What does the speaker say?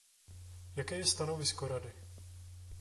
Jaké je stanovisko Rady?